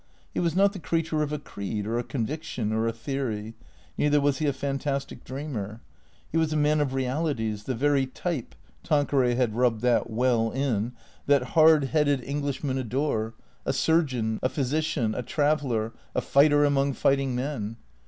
He was not the creature of a creed, or a conviction, or a theory ; neither was he a fantastic dreamer. He was a man of realities, the very type (Tanque ray had rubbed that well in) that hard headed Englishmen 432 T H E C R E A T 0 E S adore, a surgeon, a physician, a traveller, a fighter among fight ing men.